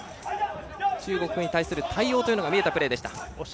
中国に対する対応が見えたプレーでした。